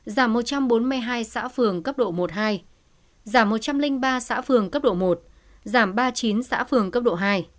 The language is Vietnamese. giảm một trăm bốn mươi hai xã phường cấp độ một hai giảm một trăm linh ba xã phường cấp độ một giảm ba mươi chín xã phường cấp độ hai